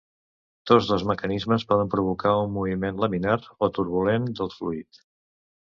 Tots dos mecanismes poden provocar un moviment laminar o turbulent del fluid.